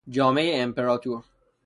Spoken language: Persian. جامهی امپراطور